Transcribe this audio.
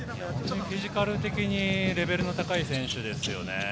フィジカル的にレベルの高い選手ですよね。